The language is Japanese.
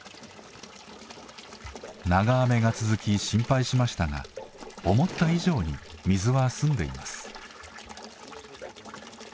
長雨が続き心配しましたが思った以上に水は澄んでいます。